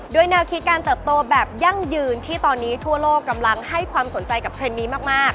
โดยแนวคิดการเติบโตแบบยั่งยืนที่ตอนนี้ทั่วโลกกำลังให้ความสนใจกับเทรนด์นี้มาก